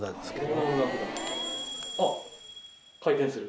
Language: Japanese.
あっ回転する。